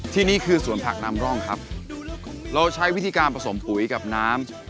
นี่คือสวนผักนำร่องครับเราใช้วิธีการผสมปุ๋ยกับน้ำ